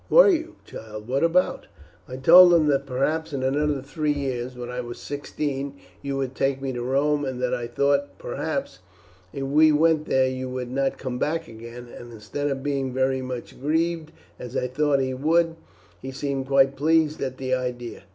"Were you, child? what about?" "I told him that perhaps in another three years, when I was sixteen, you would take me to Rome, and that I thought, perhaps, if we went there you would not come back again; and instead of being very much grieved, as I thought he would, he seemed quite pleased at the idea.